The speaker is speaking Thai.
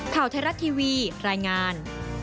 ข่าวเทศรัตน์ทีวีรายงาน